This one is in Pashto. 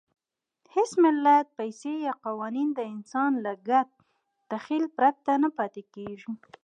هېڅ ملت، پیسې یا قوانین د انسان له ګډ تخیل پرته نه پاتې کېږي.